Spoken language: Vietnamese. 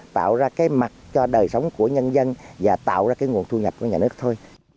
tạo ra cái mặt cho đời sống của nhân dân và tạo ra cái nguồn thu nhập của nhà nước thôi